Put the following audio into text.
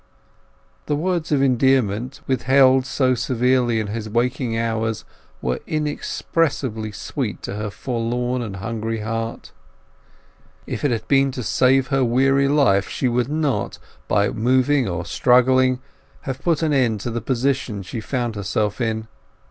The words of endearment, withheld so severely in his waking hours, were inexpressibly sweet to her forlorn and hungry heart. If it had been to save her weary life she would not, by moving or struggling, have put an end to the position she found herself in.